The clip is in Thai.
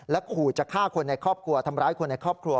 ขู่จะฆ่าคนในครอบครัวทำร้ายคนในครอบครัว